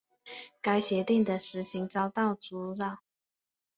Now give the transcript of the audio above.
该协定的实行遭到阻挠。